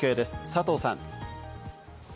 佐藤さん。